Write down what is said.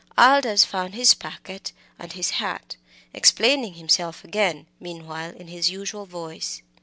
Aldous found his packet and his hat, explaining himself again, meanwhile, in his usual voice.